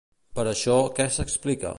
Per això, què s'explica?